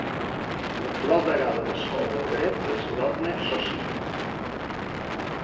L'actual degà de l'escola de dret és Lorne Sossin.